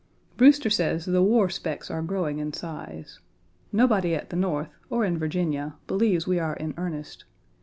Brewster says the war specks are growing in size. Nobody at the North, or in Virginia, believes we are in earnest.